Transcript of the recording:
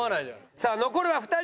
さあ残るは２人。